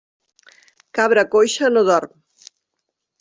Cabra coixa no dorm.